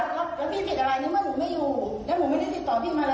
แล้วพี่พิสิทธิ์อะไรนึกว่าหนูไม่อยู่แล้วหนูไม่ได้ติดต่อพี่มาเลย